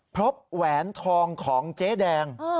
เพราะว่าแหวนทองของเจ๊แดง